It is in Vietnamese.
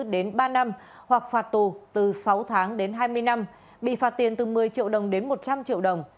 đến ba năm hoặc phạt tù từ sáu tháng đến hai mươi năm bị phạt tiền từ một mươi triệu đồng đến một trăm linh triệu đồng